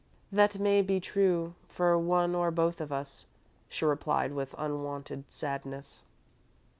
"That may be true, for one or both of us," she replied, with unwonted sadness.